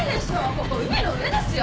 ここ海の上ですよ。